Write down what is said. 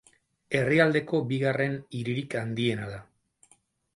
Herrialdeko bigarren hiririk handiena da.